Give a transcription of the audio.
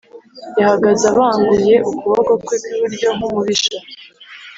Yahagaze abanguye ukuboko kwe kw’iburyo nk’umubisha.